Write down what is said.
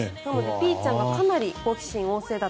ピーちゃんはかなり好奇心旺盛だと。